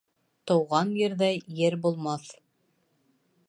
Тыуған ерҙәй ер булмаҫ